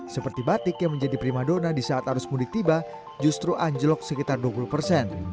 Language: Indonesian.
seperti batik yang menjadi prima dona di saat arus mudik tiba justru anjlok sekitar dua puluh persen